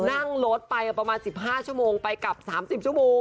นั่งรถไปประมาณ๑๕ชั่วโมงไปกลับ๓๐ชั่วโมง